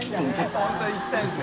本当は行きたいんですね